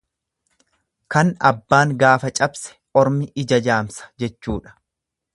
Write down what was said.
Kan abbaan gaafa cabse ormi ija jaamsa jechuudha.